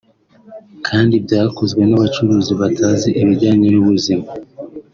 kandi byakozwe n’abacuruzi batazi ibijyanye n’ubuzima